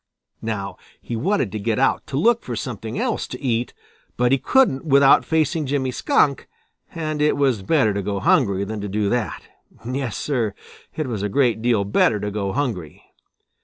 Now he wanted to get out to look for something else to eat, but he couldn't without facing Jimmy Skunk, and it was better to go hungry than to do that. Yes, Sir, it was a great deal better to go hungry.